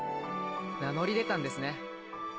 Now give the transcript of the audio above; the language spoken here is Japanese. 名乗り出たんですね。